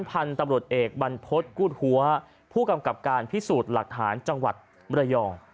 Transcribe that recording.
พันธุ์ตำรวจเอกบรรพฤษกูธหัวผู้กำกับการพิสูจน์หลักฐานจังหวัดมรยอง